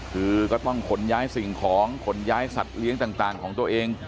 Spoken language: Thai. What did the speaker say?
คือก็ต้องขนย้ายสิ่งของขนย้ายสัตว์เลี้ยงต่างของตัวเอง